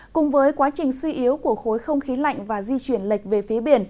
cùng với quá trình suy yếu của khối không khí lạnh và di chuyển lệch về phía biển